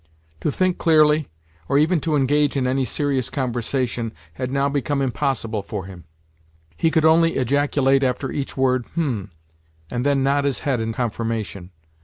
To think clearly, or even to engage in any serious conversation, had now become impossible for him; he could only ejaculate after each word "Hm!" and then nod his head in confirmation.